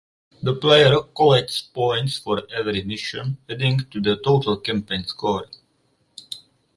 The player collects points for every mission, adding to the total campaign score.